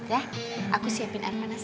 aku siapin air panas